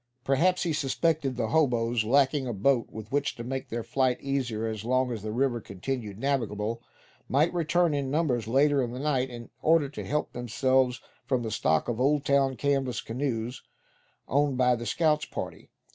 Perhaps he suspected that the hoboes, lacking a boat with which to make their flight easier as long as the river continued navigable, might return in numbers later in the night, in order to help themselves from the stock of Oldtown canvas canoes owned by the scouts' party.